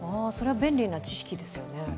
それは便利な知識ですよね。